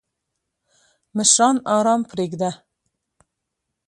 مشران آرام پریږده!